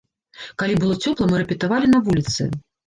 Калі было цёпла, мы рэпетавалі на вуліцы.